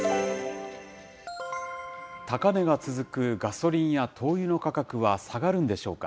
高値が続くガソリンや灯油の価格は下がるんでしょうか。